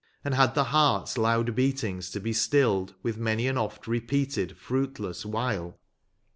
And had the heart's loud beatings to be stilled With many an oft repeated fruitless wile